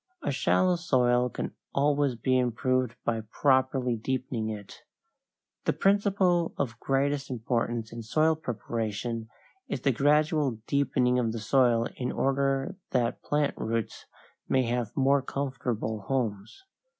A shallow soil can always be improved by properly deepening it. The principle of greatest importance in soil preparation is the gradual deepening of the soil in order that plant roots may have more comfortable homes.